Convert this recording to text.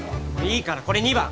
いいからこれ２番！